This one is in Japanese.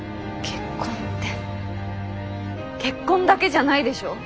結婚って結婚だけじゃないでしょ！